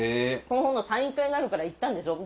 その本のサイン会があるから行ったんですよ。